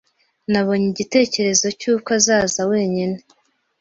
Nabonye igitekerezo cy'uko azaza wenyine.